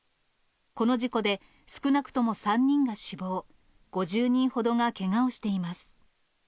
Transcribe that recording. この事故で、少なくとも３人が死亡、５０人ほどがけがをしています。